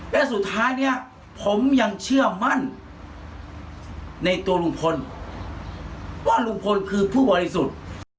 และสุดท้ายเนี่ยผมยังเชื่อมั่นในตัวลุงพลว่าลุงพลคือผู้บริสุทธิ์